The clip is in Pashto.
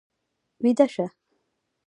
ويده شه.